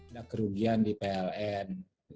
ada kerugian di pln